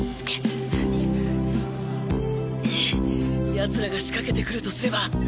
奴らが仕掛けてくるとすれば。